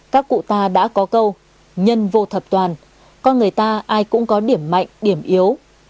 các cụ ta đã có câu nhân vô thập toàn con người ta ai cũng có điểm mạnh điểm yếu